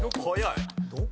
どこ？